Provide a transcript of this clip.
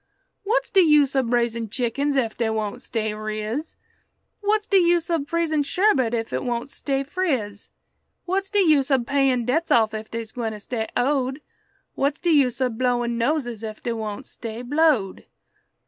"What's de use ob raisin' chickens ef dey won't stay riz? What's de use ob freezin' sherbet ef it won't stay friz? What's de use ob payin' debts off ef dey's gwine stay owed? What's de use ob blowin' noses ef dey won't stay blowed?"